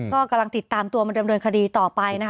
ก็กำลังติดตามตัวมาดำเนินคดีต่อไปนะคะ